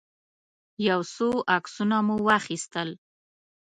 يو څو عکسونه مو واخيستل.